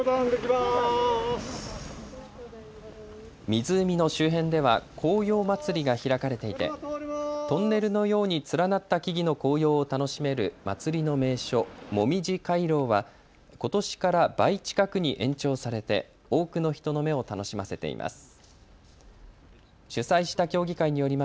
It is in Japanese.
湖の周辺では紅葉まつりが開かれていて、トンネルのように連なった木々の紅葉を楽しめる祭りの名所、もみじ回廊はことしから倍近くに延長されて多くの人の目を楽しませています。